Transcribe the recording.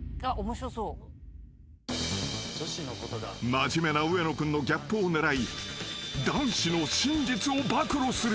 ［真面目な上野君のギャップを狙い男子の真実を暴露する］